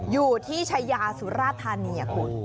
อยู่ที่ชายาสุราธานีคุณ